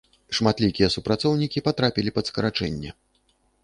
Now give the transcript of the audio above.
Шматлікія супрацоўнікі патрапілі пад скарачэнне.